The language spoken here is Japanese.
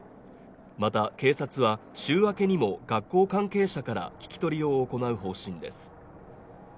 また、警察は週明けにも学校関係者から聴き取りを行う方針です。